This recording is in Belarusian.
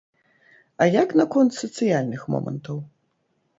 А як наконт сацыяльных момантаў?